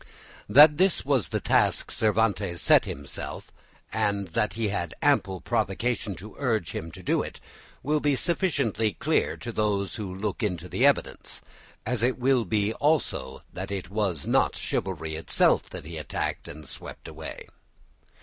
That this was the task Cervantes set himself, and that he had ample provocation to urge him to it, will be sufficiently clear to those who look into the evidence; as it will be also that it was not chivalry itself that he attacked and swept away.